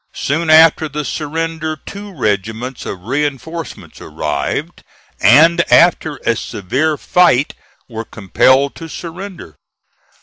Soon after the surrender two regiments of reinforcements arrived, and after a severe fight were compelled to surrender.